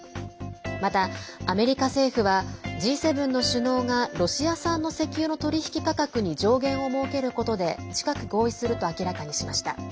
また、アメリカ政府はＧ７の首脳がロシア産の石油の取引価格に上限を設けることで近く合意すると明らかにしました。